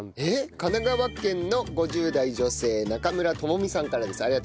神奈川県の５０代女性中村智美さんからです。